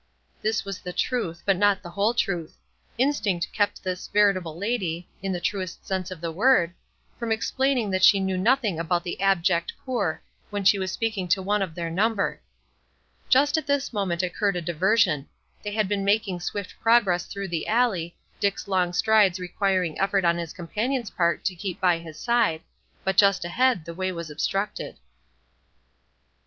This was the truth, but not the whole truth. Instinct kept this veritable lady, in the truest sense of the word, from explaining that she knew nothing about the abject poor, when she was speaking to one of their number. Just at this moment occurred a diversion; they had been making swift progress through the alley, Dick's long strides requiring effort on his companion's part to keep by his side, but just ahead the way was obstructed.